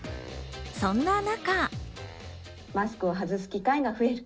そんな中。